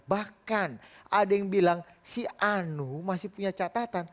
bahkan ada yang bilang si anu masih punya catatan